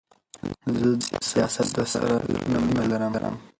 زه سياست د سره د زړه نه مينه لرم.